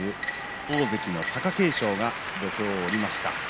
大関の貴景勝が土俵を下りました。